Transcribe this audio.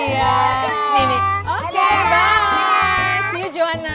sampai jumpa johana